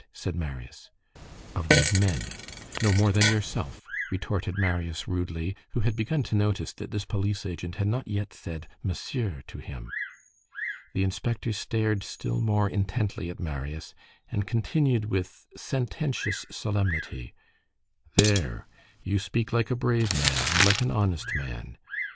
said Marius. "Of these men?" "No more than yourself!" retorted Marius rudely, who had begun to notice that this police agent had not yet said "monsieur" to him. The inspector stared still more intently at Marius, and continued with sententious solemnity:— "There, you speak like a brave man, and like an honest man.